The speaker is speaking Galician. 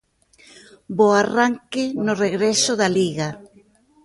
Bo arranque no regreso da Liga.